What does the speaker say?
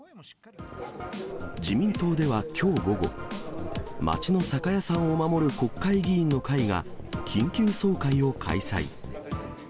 自民党ではきょう午後、街の酒屋さんを守る国会議員の会が、緊急総会を開催。